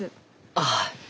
ああ。